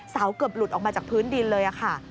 เกือบหลุดออกมาจากพื้นดินเลยค่ะ